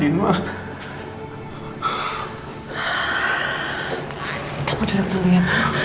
kita mau duduk dulu ya